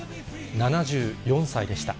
７４歳でした。